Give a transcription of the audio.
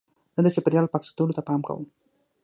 زه د چاپېریال پاک ساتلو ته پام کوم.